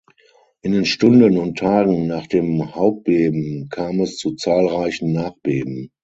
In den Stunden und Tagen nach dem Hauptbeben kam es zu zahlreichen Nachbeben.